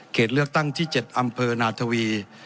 เลือกตั้งที่๗อำเภอนาทวี